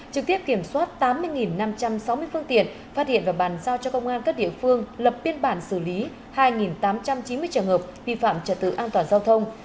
trực tiếp kiểm soát tám mươi năm trăm sáu mươi phương tiện phát hiện và bàn giao cho công an các địa phương lập biên bản xử lý hai tám trăm chín mươi trường hợp vi phạm trật tự an toàn giao thông